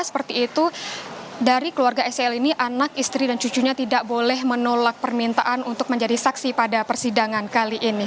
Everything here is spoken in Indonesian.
seperti itu dari keluarga sel ini anak istri dan cucunya tidak boleh menolak permintaan untuk menjadi saksi pada persidangan kali ini